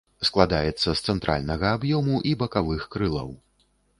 Складаецца з цэнтральнага аб'ёму і бакавых крылаў.